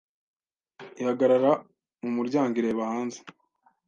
Ihagarara mu muryango ireba hanze